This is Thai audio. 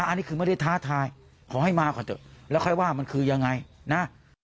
อันนี้คือไม่ได้ท้าทายขอให้มาก่อนเถอะแล้วค่อยว่ามันคือยังไงนะ